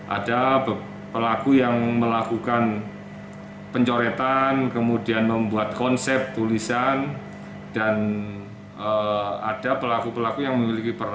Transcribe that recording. ada pelaku yang melakukan pencoretan kemudian membuat konsep tulisan dan ada pelaku pelaku yang memiliki peran